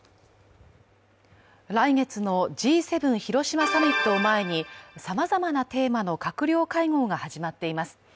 来月のＧ７広島サミットを前にさまざまなテーマの閣僚会合が始まっています。